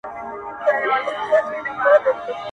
o حال پوه سه، انگار پوه سه٫